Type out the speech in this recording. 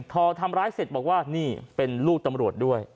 พอทำร้ายเสร็จบอกว่านี่เป็นลูกตำรวจด้วย